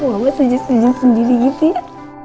mama sejuk sejuk sendiri gitu ya